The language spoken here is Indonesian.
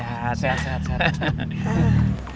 sehat sehat sehat